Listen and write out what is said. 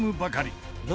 何？